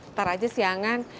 ntar aja siangan